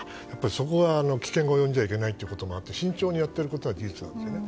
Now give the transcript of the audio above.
そこに危険が及んじゃいけないということもあり慎重にやっていることは事実なんですよね。